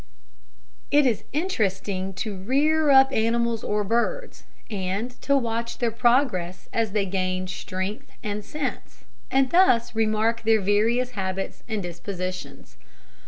It is interesting to rear up animals or birds, and to watch their progress as they gain strength and sense, and thus remark their various habits and dispositions.